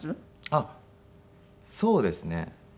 あっそうですね。